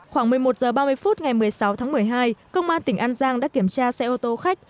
khoảng một mươi một h ba mươi phút ngày một mươi sáu tháng một mươi hai công an tỉnh an giang đã kiểm tra xe ô tô khách